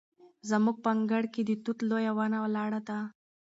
زموږ په انګړ کې د توت لویه ونه ولاړه ده.